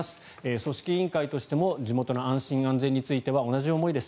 組織委員会としても地元の安心安全については同じ思いです。